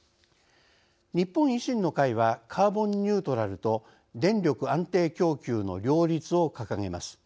日本維新の会は「カーボンニュートラルと電力安定供給の両立」を掲げます。